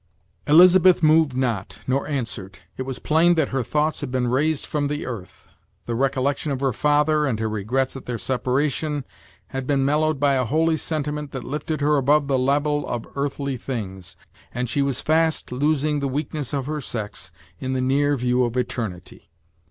Elizabeth moved not, nor answered. It was plain that her thoughts had been raised from the earth, The recollection of her father, and her regrets at their separation, had been mellowed by a holy sentiment, that lifted her above the level of earthly things, and she was fast losing the weakness of her sex in the near view of eternity.